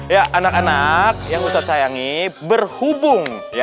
ya anak anak yang ustadz sayangi berhubung